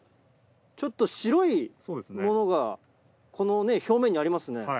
ちょっと白いものがこの表面にありますね。